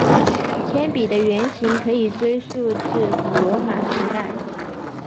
铅笔的原型可以追溯至古罗马时代。